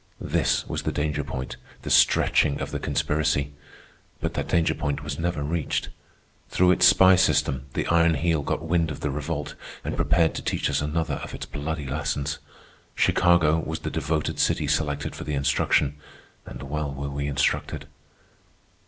This was the danger point, the stretching of the conspiracy. But that danger point was never reached. Through its spy system the Iron Heel got wind of the Revolt and prepared to teach us another of its bloody lessons. Chicago was the devoted city selected for the instruction, and well were we instructed.